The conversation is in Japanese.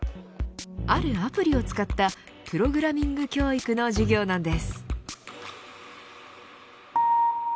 あるアプリを使ったプログラミング教育の授業なんです。